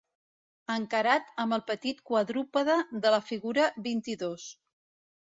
Encarat amb el petit quadrúpede de la figura vint-i-dos.